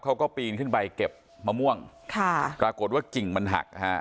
เขาก็ปีนขึ้นไปเก็บมะม่วงค่ะปรากฏว่ากิ่งมันหักฮะ